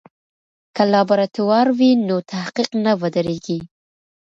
که لابراتوار وي نو تحقیق نه ودریږي.